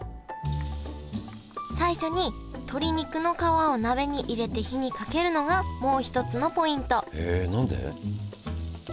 最初に鶏肉の皮を鍋に入れて火にかけるのがもう一つのポイントへえ何で？